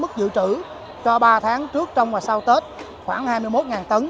mức dự trữ cho ba tháng trước trong và sau tết khoảng hai mươi một tấn